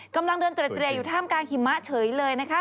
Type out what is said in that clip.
กำลังเดินเตรียอยู่ท่ามกลางหิมะเฉยเลยนะคะ